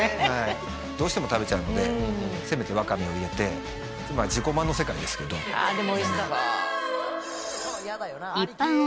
はいどうしても食べちゃうのでせめてワカメを入れてまあ自己満の世界ですけどあっ